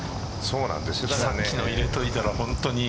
さっきの入れといたら本当に。